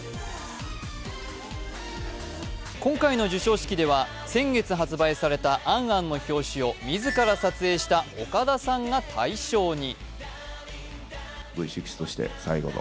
今回の授賞式では先月発売された「ａｎ・ａｎ」の表紙を自ら撮影した岡田さんが大賞に。